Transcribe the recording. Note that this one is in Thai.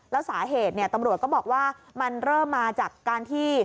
แล้วสาเหตุตำรวจก็บอกว่ามันเริ่มมาจากการที่